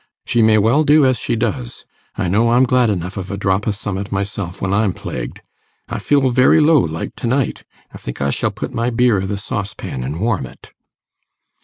She may well do as she does. I know I'm glad enough of a drop o' summat myself when I'm plagued. I feel very low, like, to night; I think I shall put my beer i' the saucepan an' warm it.